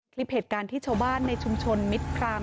คลิปเหตุการณ์ที่ชาวบ้านในชุมชนมิตรพราม